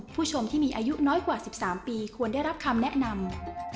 ผู้ชมที่มีอายุน้อยกว่า๑๓ปีควรได้รับคำแนะนำ